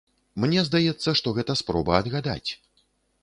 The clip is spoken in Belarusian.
Мне здаецца, што гэта спроба адгадаць.